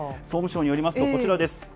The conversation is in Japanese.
総務省によりますと、こちらです。